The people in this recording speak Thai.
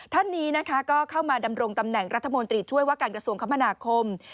ท่านนี้นะคะก็เข้ามาดำรงตำแหน่งรัฐมนตรีช่วยว่าการกระทรวงคมนาคม